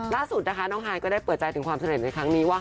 ล่าสุดนะคะน้องฮายก็ได้เปิดใจถึงความสำเร็จในครั้งนี้ว่า